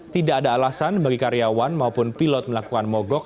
tidak ada alasan bagi karyawan maupun pilot melakukan mogok